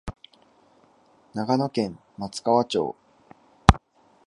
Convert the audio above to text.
長野県松川町